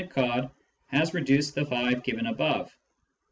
Nicod has reduced the five given above.